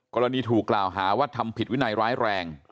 กรณีถูกกล่าวหาว่าทำผิดวินัยร้ายแรง